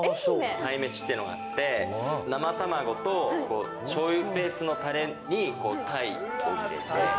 鯛めしっていうのがあって、生卵としょうゆベースのたれに、鯛を入れて。